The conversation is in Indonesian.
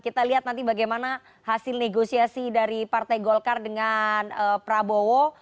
kita lihat nanti bagaimana hasil negosiasi dari partai golkar dengan prabowo